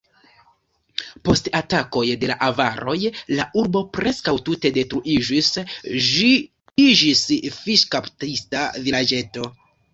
Post atakoj de la avaroj, la urbo preskaŭ tute detruiĝis, ĝi iĝis fiŝkaptista vilaĝeto.